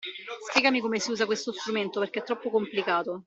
Spiegami come si usa questo strumento, perché è troppo complicato.